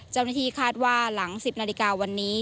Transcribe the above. เจ้าหน้าที่คาดว่าหลัง๑๐นาฬิกาวันนี้